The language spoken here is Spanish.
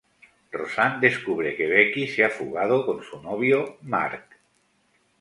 Roseanne descubre que Becky se ha fugado con su novio Mark.